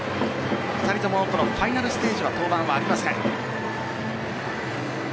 ２人ともファイナルステージは登板はありません。